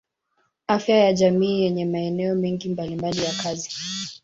Afya ya jamii yenye maeneo mengi mbalimbali ya kazi.